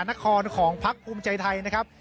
มหานครของพลักธรรมน์ภูมิใจไทยนะครับ